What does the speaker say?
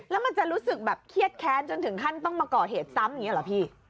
แล้วมันจะรู้สึกแบบเครียดแค้นจนถึงขั้นต้องมาก่อเหตุซ้ำอย่างนี้เหรอพี่